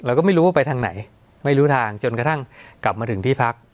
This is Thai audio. เราก็ไม่รู้ว่าไปทางไหนไม่รู้ทางจนกระทั่งกลับมาถึงที่พัก